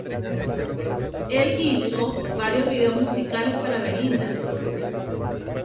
Él hizo varios videos musicales para Belinda.